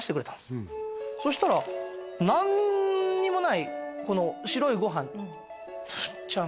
よそしたら何にもないこの白いご飯「ぶんちゃん